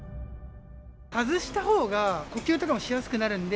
外したほうが、呼吸とかもしやすくなるんで。